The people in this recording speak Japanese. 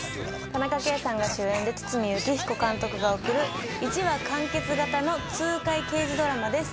田中圭さんが主演で、堤幸彦監督が贈る、１話完結型の痛快刑事ドラマです。